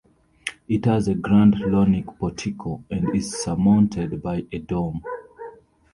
It has a grand Ionic portico and is surmounted by a dome.